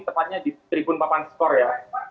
tepatnya di tribun papan skor ya